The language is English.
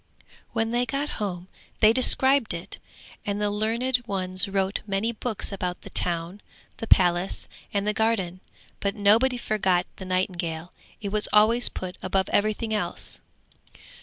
When they got home they described it, and the learned ones wrote many books about the town, the palace and the garden; but nobody forgot the nightingale, it was always put above everything else.